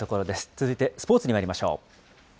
続いてスポーツにまいりましょう。